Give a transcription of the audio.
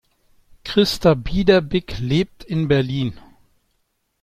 Christa Biederbick lebt in Berlin.